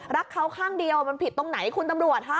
รักเขาข้างเดียวมันผิดตรงไหนคุณตำรวจฮะ